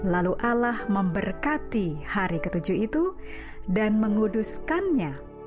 lalu ala memberkati hari ketujuh itu dan menguduskannya